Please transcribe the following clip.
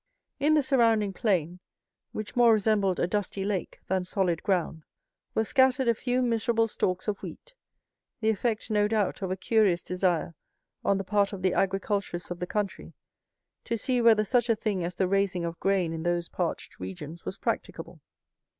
In the surrounding plain, which more resembled a dusty lake than solid ground, were scattered a few miserable stalks of wheat, the effect, no doubt, of a curious desire on the part of the agriculturists of the country to see whether such a thing as the raising of grain in those parched regions was practicable.